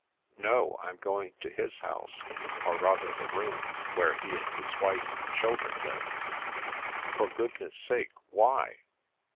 "" No. I'm going to his house— or rather, the room where he and his wife and children live." " For goodness' sake, why